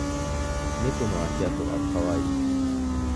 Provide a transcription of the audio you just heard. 猫の足跡は可愛い。